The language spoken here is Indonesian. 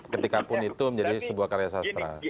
ketikapun itu menjadi sebuah karya sastra